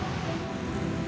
apa yang bikin kamu takut